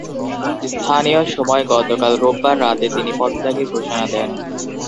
স্থানীয় সময় গতকাল রোববার রাতে তিনি পদত্যাগের ঘোষণা দেন।